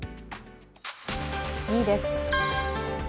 ２位です。